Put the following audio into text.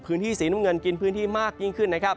พื้นที่สีน้ำเงินกินพื้นที่มากยิ่งขึ้นนะครับ